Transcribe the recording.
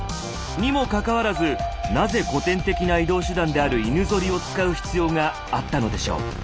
にもかかわらずなぜ古典的な移動手段である犬ゾリを使う必要があったのでしょう？